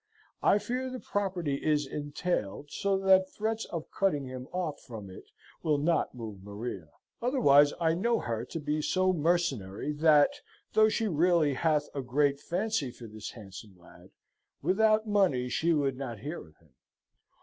I fear the property is entailed, so that threats of cutting him off from it will not move Maria. Otherwise I know her to be so mercenary that (though she really hath a great phancy for this handsome ladd) without money she would not hear of him.